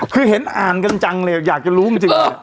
คือเห็นอ่านกันจังเลยอยากจะรู้จริง